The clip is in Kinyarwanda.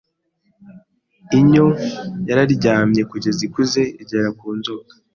Inyo yararyamye kugeza ikuze igera ku nzoka